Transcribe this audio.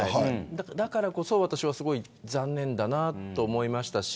だからこそ私は残念だなと思いましたし